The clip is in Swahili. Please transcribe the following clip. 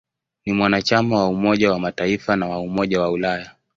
Ni mwanachama wa Umoja wa Mataifa na wa Umoja wa Ulaya.